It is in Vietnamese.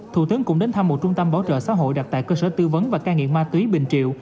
thủ tướng cũng đến thăm một trung tâm bảo trợ xã hội đặt tại cơ sở tư vấn và cai nghiện ma túy bình triệu